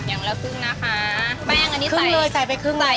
อย่างละครึ่งนะคะแป้งอันนี้สั่งเลยใส่ไปครึ่งใบ